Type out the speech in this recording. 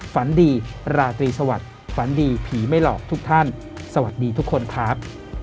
ฝันดีราตรีสวัสดิ์ฝันดีผีไม่หลอกทุกท่านสวัสดีทุกคนครับ